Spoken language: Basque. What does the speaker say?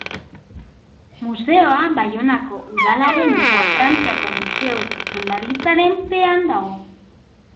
Museoa Baionako Udalaren eta Frantziako Museo Zuzendaritzaren pean dago.